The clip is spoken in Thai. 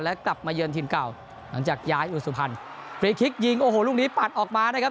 และกลับมาเยือนทีมเก่าหลังจากย้ายอุสุพรรณฟรีคลิกยิงโอ้โหลูกนี้ปัดออกมานะครับ